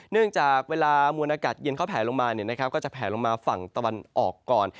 เนื่องจากเวลามวลอากาศเย็นเขาแผลลงมาก็จะแผลลงมาฝั่งตะวันออกก่อน